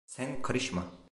Sen karışma.